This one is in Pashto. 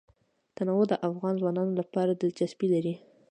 تنوع د افغان ځوانانو لپاره دلچسپي لري.